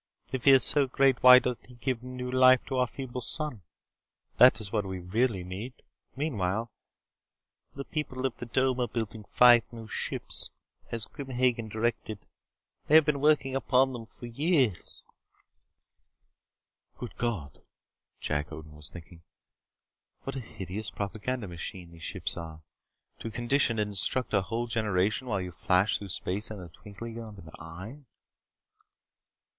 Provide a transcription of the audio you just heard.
If he is so great, why doesn't he give new life to our feeble sun? That is what we really need. Meanwhile, the people of the Dome are building five new ships, as Grim Hagen directed. They have been working upon them for years " "Good God," Jack Odin was thinking, "what a hideous propaganda machine these ships are? To condition and instruct a whole generation while you flash through space in the twinkling of an eye!"